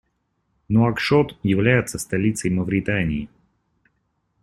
Нуакшот является столицей Мавритании.